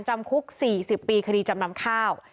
จำคุก๔๐ปีคดีจำนำข้าว